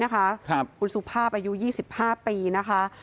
คุณสุภาพอายุ๒๕ปีนะคะ